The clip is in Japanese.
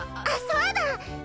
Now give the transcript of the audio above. あっそうだ！